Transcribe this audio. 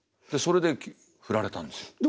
それで振られたんですよ。